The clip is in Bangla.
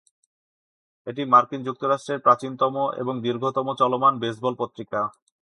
এটি মার্কিন যুক্তরাষ্ট্রের প্রাচীনতম এবং দীর্ঘতম চলমান বেসবল পত্রিকা।